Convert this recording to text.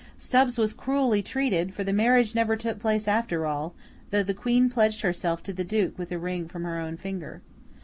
Stubbs was cruelly treated; for the marriage never took place after all, though the Queen pledged herself to the Duke with a ring from her own finger.